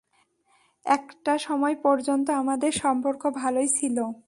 একটা সময় পর্যন্ত আমাদের সম্পর্ক ভালোই ছিল।